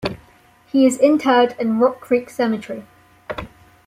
He is interred in Rock Creek Cemetery.